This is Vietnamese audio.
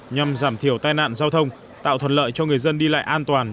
nhằm giảm thiểu tai nạn giao thông tạo thuận lợi cho người dân đi lại an toàn